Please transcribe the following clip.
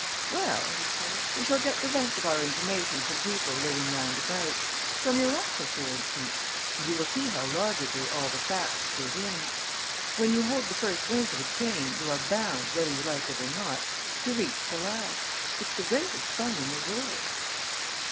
"Well," he said, "we shall get the rest of our information from people living round about ... from your uncle, for instance; and you will see how logically all the facts fit in. When you hold the first link of a chain, you are bound, whether you like it or not, to reach the last. It's the greatest fun in the world."